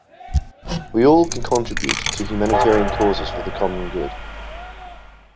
We all can contribute to humanitarian causes for the common good.